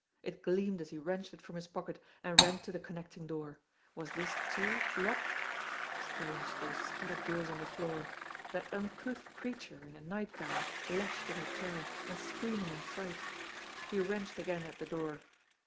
It gleamed as he wrenched it from his pocket and ran to the connecting door. Was this, too, locked ! Strange, those scattered jewels on the floor; that uncouth creature in a nightgown lashed in a chair and screaming in fright! He wrenched again at the door.